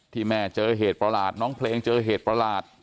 ที่แม่เจอเหตุประหลาดน้องเพลงเจอเหตุประหลาด